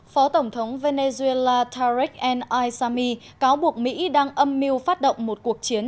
phó tổng thống venezuela tarek al aissami cáo buộc mỹ đang âm mưu phát động một cuộc chiến